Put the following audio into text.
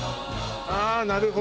ああなるほど。